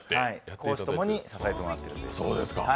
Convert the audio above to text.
公私ともに支えてもらっています。